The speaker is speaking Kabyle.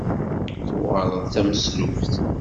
Tuɣaleḍ d tameslubt?